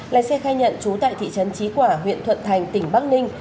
lái xe khai nhận trú tại thị trấn trí quả huyện thuận thành tỉnh bắc ninh